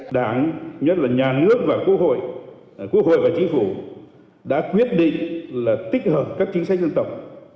đảng nhất là nhà nước và quốc hội quốc hội và chính phủ đã quyết định là tích hợp các chính sách dân tộc